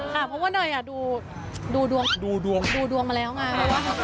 ค่ะเพราะว่าเนยดูดวงดูดวงมาแล้วไง